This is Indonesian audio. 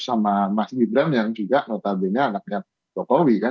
sama mas gibran yang juga notabene anaknya jokowi kan